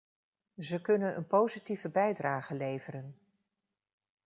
Ze kunnen een positieve bijdrage leveren.